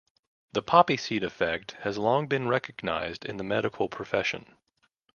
The poppy seed effect has long been recognised in the medical profession.